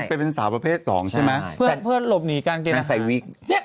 ไปเป็นสาวประเภท๒ใช่ไหมเพื่อนหลบหนีการเกลียด